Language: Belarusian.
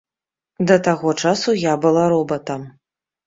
Да таго часу я была робатам.